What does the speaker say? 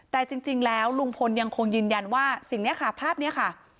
แต่จริงแล้วลุงพลยังคงยืนยันว่าสิ่งนี้ค่ะภาพนี้ค่ะ